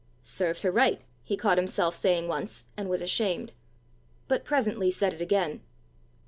"Served her right!" he caught himself saying once, and was ashamed but presently said it again.